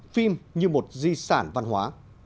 phim như một di sản văn hóa